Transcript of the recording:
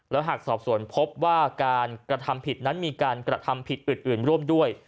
หากสอบส่วนพบว่าการกระทำผิดนั้นมีการกระทำผิดอื่นร่วมด้วย